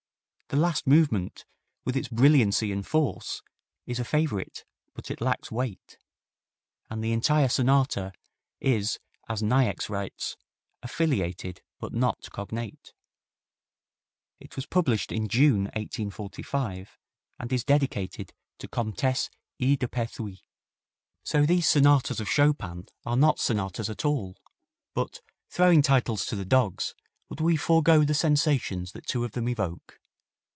The last movement, with its brilliancy and force, is a favorite, but it lacks weight, and the entire sonata is, as Niecks writes, "affiliated, but not cognate." It was published June, 1845, and is dedicated to Comtesse E. de Perthuis. So these sonatas of Chopin are not sonatas at all, but, throwing titles to the dogs, would we forego the sensations that two of them evoke?